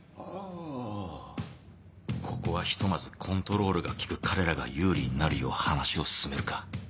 ここはひとまずコントロールが利く彼らが有利になるよう話を進めるか